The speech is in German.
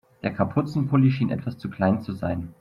Der Kapuzenpulli schien etwas zu klein zu sein.